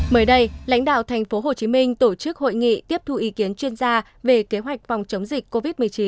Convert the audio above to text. mới đây lãnh đạo tp hcm tổ chức hội nghị tiếp thu ý kiến chuyên gia về kế hoạch phòng chống dịch covid một mươi chín